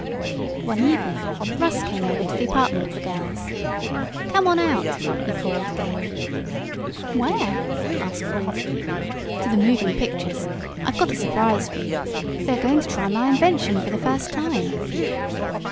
One evening Russ came over to the apartment of the girls. "Come on out!" he called, gaily. "Where?" asked Ruth. "To the moving pictures. I've got a surprise for you. They are going to try my new invention for the first time."